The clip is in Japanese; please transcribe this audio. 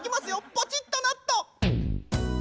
ポチッとなっと！